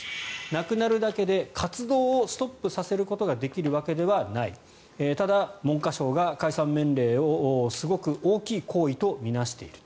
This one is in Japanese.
なくなるだけで活動をストップさせることができるわけではないただ、文科省が解散命令をすごく大きい行為と見なしている。